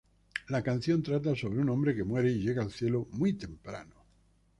La canción trata sobre un hombre que muere y llega al cielo "muy temprano".